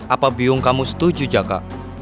apa biung kamu setuju jaka